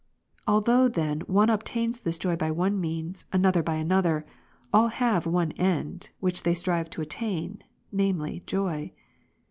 Although then one obtains this joy by one means, another by another, all have one end, which they strive to attain, namely, joy.